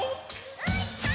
「うーたん！！！」